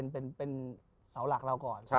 เป็นเสาหลักเราก่อน